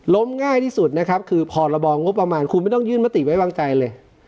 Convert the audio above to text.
ง่ายที่สุดนะครับคือพรบงบประมาณคุณไม่ต้องยื่นมติไว้วางใจเลย